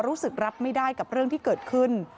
รู้สึกรับไม่ได้กับเรื่องที่เกิดขึ้น